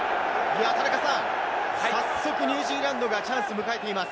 早速ニュージーランドがチャンスを迎えています。